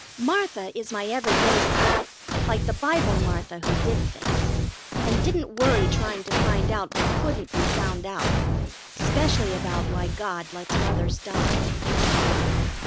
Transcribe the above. Martha is my every day self, like the Bible Martha who did things, and didn't worry trying to find out what couldn't be found out, specially about why God lets Mothers die.